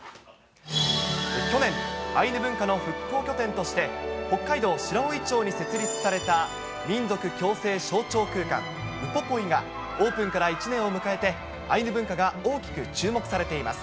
去年、アイヌ文化の復興拠点として、北海道白老町に設立された、民族共生象徴空間、ウポポイが、オープンから１年を迎えて、アイヌ文化が大きく注目されています。